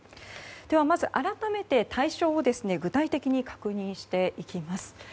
まず改めて、対象を具体的に確認していきます。